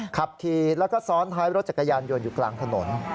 ขับขี่แล้วก็ซ้อนท้ายรถจักรยานยนต์อยู่กลางถนน